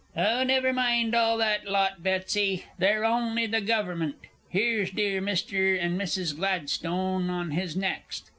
Oh, never mind all that lot, Betsy; they're only the Gover'ment! Here's dear Mr. and Mrs. Gladstone in this next!